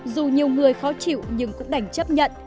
dù nhiều người khó chịu nhưng cũng đành chấp nhận